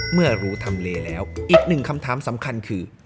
เมื่อรู้ทำเลแล้วอีกหนึ่งคำถามสำคัญคือ